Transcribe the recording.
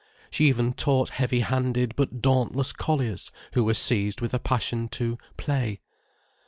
She even taught heavy handed but dauntless colliers, who were seized with a passion to "play."